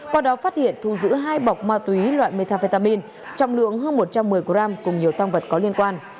qua đó phát hiện thu giữ hai bọc ma túy loại metafetamin trọng lượng hơn một trăm một mươi g cùng nhiều tăng vật có liên quan